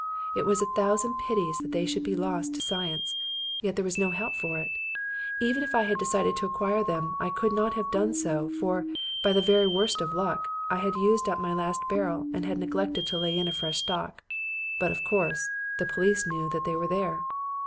It was a thousand pities that they should be lost to science. Yet there was no help for it. Even if I had decided to acquire them I could not have done so, for, by the very worst of luck, I had used up my last barrel and had neglected to lay in a fresh stock. Besides, of course, the police knew they were there.